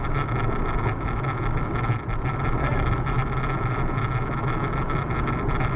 คือคืออะไรคืออะไร